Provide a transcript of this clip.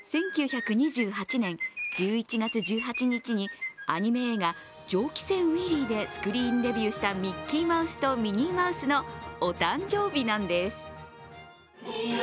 １９２８年１１月１８日にアニメ映画「蒸気船ウィリー」でスクリーンデビューしたミッキーマウスとミニーマウスのお誕生日なんです。